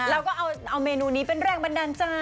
เราก็เอาเมนูนี้เป็นแรงบันดาลใจ